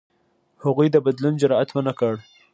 هغوی د بدلون جرئت ونه کړ.